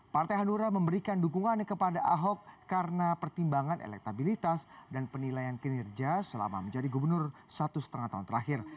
partai hanura memberikan dukungannya kepada ahok karena pertimbangan elektabilitas dan penilaian kinerja selama menjadi gubernur satu setengah tahun terakhir